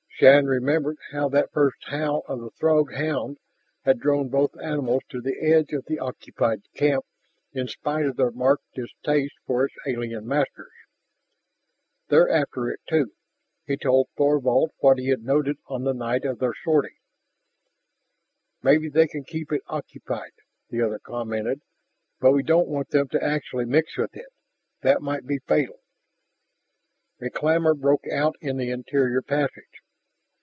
Shann remembered how that first howl of the Throg hound had drawn both animals to the edge of the occupied camp in spite of their marked distaste for its alien masters. "They're after it too." He told Thorvald what he had noted on the night of their sortie. "Maybe they can keep it occupied," the other commented. "But we don't want them to actually mix with it; that might be fatal." A clamor broke out in the interior passage.